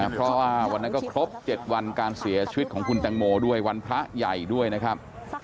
เพราะว่าวันนั้นก็ครบ๗วันการเสียชีวิตของคุณแตงโมด้วยวันพระใหญ่ด้วยนะครับ